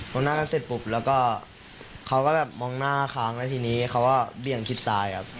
หน้ากันเสร็จปุ๊บแล้วก็เขาก็แบบมองหน้าค้างแล้วทีนี้เขาก็เบี่ยงชิดซ้ายครับ